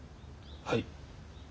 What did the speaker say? はい。